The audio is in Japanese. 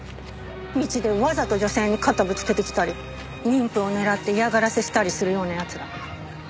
道でわざと女性に肩ぶつけてきたり妊婦を狙って嫌がらせしたりするような奴ら。